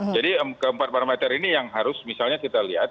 jadi keempat parameter ini yang harus misalnya kita lihat